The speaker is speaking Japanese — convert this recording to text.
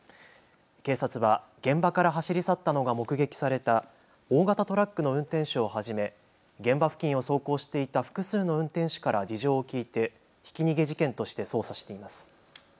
警察は現場から走り去ったのが目撃された大型トラックの運転手をはじめ現場付近を走行していた複数の運転手から事情を聞いてひき逃げ事件として捜査しています。